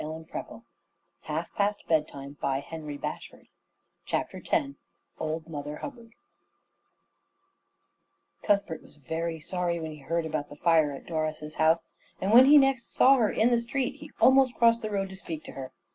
OLD MOTHER HUBBARD [Illustration: Mother Hubbard's] X OLD MOTHER HUBBARD Cuthbert was very sorry when he heard about the fire at Doris's house, and when he next saw her in the street, he almost crossed the road to speak to her.